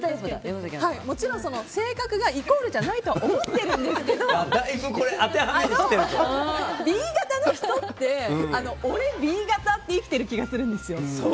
もちろん性格がイコールじゃないと思ってはいるんですけどＢ型の人って、俺Ｂ型って生きてる気がするんですよ。